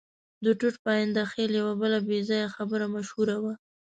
د ټوټ پاینده خېل یوه بله بې ځایه خبره مشهوره وه.